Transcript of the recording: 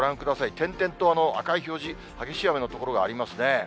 点々と赤い表示、激しい雨の所がありますね。